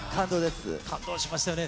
感動しましたよね。